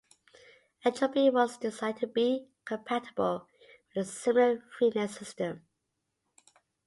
Entropy was designed to be compatible with the similar Freenet system.